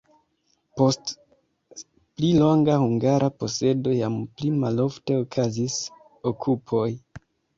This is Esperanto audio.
Post pli longa hungara posedo jam pli malofte okazis okupoj.